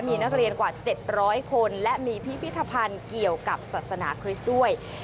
มีนักเรียนกว่า๗๐๐คนและมีพิพิธภัณฑ์เกี่ยวกับศาสนาคริสต์ด้วย